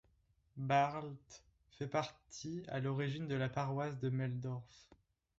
Barlt fait partie à l'origine de la paroisse de Meldorf.